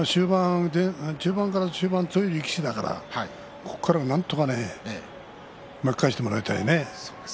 中盤から終盤強い力士だからここからなんとか巻き返してもらいたいね。